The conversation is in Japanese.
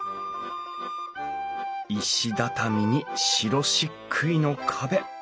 石畳に白しっくいの壁。